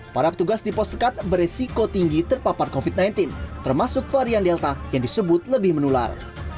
para petugas di pos sekat beresiko tinggi terpapar covid sembilan belas termasuk varian delta yang disebut lebih menular